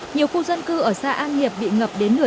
nhiều khu dân cư ở xa an nghiệp bị ngập đến nửa